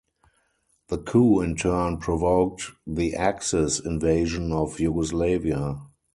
The coup in turn provoked the Axis Invasion of Yugoslavia.